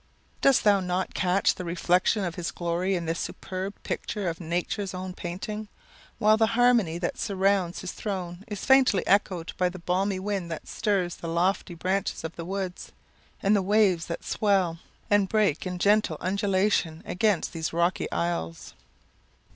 Dost thou not catch the reflection of his glory in this superb picture of Nature's own painting, while the harmony that surrounds his throne is faintly echoed by the warm balmy wind that stirs the lofty branches of the woods, and the waves that swell and break in gentle undulation against these rocky isles?